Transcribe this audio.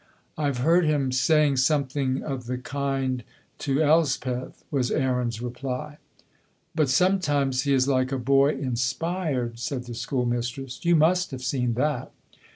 "I've heard him saying something o' the kind to Elspeth," was Aaron's reply. "But sometimes he is like a boy inspired," said the school mistress. "You must have seen that?"